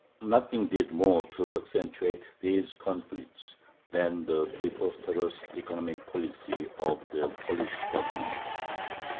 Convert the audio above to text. Nothing did more to accentuate these conflicts than the preposterous economic policy of the Polish Government.